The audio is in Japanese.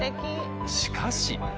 しかし。